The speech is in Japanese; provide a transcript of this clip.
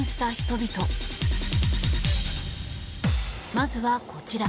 まずはこちら。